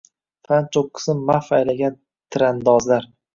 Fan cho‘qqisin mahv aylagan tirandozlar